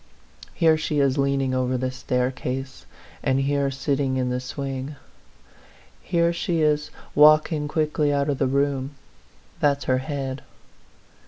Here she is leaning over the staircase, and here sitting in the swing. Here she is walking quickly out of the room. That's her head.